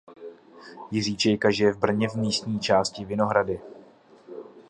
Jiří Čejka žije v Brně v místní části Vinohrady.